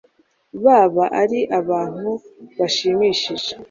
baba ari abantu bashimishije